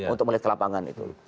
untuk melihat kelapangan itu